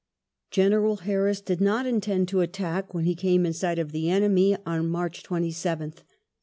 General Harris did not intend to attack when he came in sight of the enemy on March 27th.